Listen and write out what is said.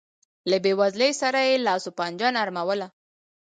له بېوزلۍ سره یې لاس و پنجه نرموله.